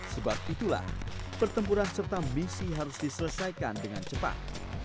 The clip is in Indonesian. sebab itulah pertempuran serta misi harus diselesaikan dengan cepat